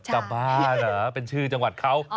ก็บ้านะเป็นชื่อจังหวัดเขา